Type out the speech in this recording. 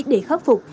để khắc phục